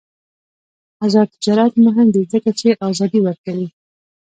آزاد تجارت مهم دی ځکه چې ازادي ورکوي.